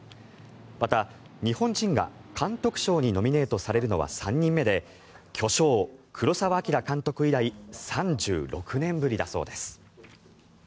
また、日本人が監督賞にノミネートされるのは３人目で巨匠・黒澤明監督以来３６年ぶりだそうです。